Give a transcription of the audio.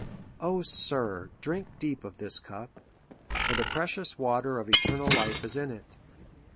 O! Sir, drink deep of this cup; for the precious water of eternal life is in it.